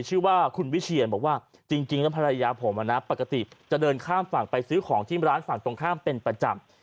ชื่อว่าคุณวิเชียนบอกว่าจริงแล้วภรรยาผมปกติจะเดินข้ามฝั่งไปซื้อของที่ร้านฝั่งตรงข้ามเป็นประจำ